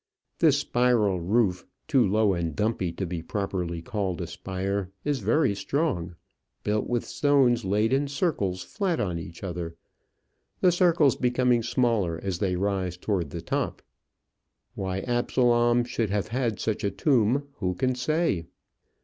This spiral roof, too low and dumpy to be properly called a spire, is very strong, built with stones laid in circles flat on each other, the circles becoming smaller as they rise towards the top. Why Absalom should have had such a tomb, who can say?